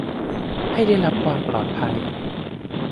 ให้ได้รับความปลอดภัย